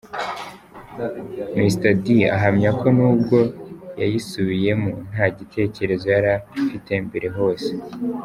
Mr D ahamya ko nubwo yayisubiyemo, nta gitekerezo yari afite mbere hose.